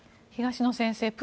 東野先生